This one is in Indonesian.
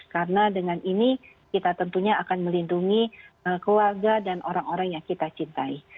karena dengan ini kita tentunya akan melindungi keluarga dan orang orang yang kita cintai